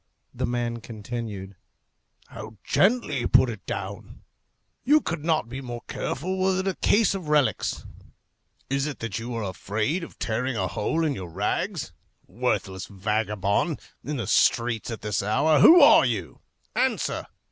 The man continued, "How gently you put it down! You could not be more careful were it a case of relics. Is it that you are afraid of tearing a hole in your rags? Worthless vagabond! in the streets at this hour! Who are you? Answer!